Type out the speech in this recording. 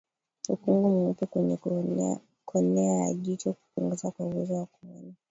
Ukungu mweupe kwenye konea ya jicho kupungua kwa uwezo wa kuona